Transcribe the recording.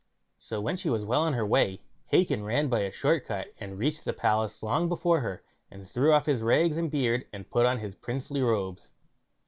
So when she was well on her way, Hacon ran by a short cut and reached the palace long before her, and threw off his rags and beard, and put on his princely robes.